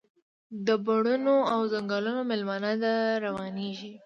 د بڼوڼو او ځنګلونو میلمنه ده، روانیږي